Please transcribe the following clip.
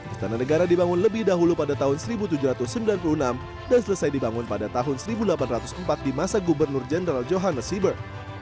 istana negara dibangun lebih dahulu pada tahun seribu tujuh ratus sembilan puluh enam dan selesai dibangun pada tahun seribu delapan ratus empat di masa gubernur jenderal johannes siber